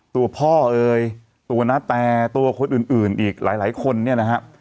ตัวพ่อเอ่ยตัวนาแตตัวคนอื่นอีกหลายคนเนี่ยนะฮะ